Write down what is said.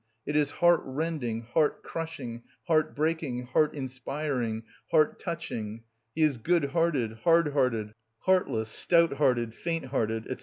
—it is heart rending, heart crushing, heart breaking, heart inspiring, heart touching;—he is good hearted, hard hearted, heartless, stout hearted, faint hearted, &c.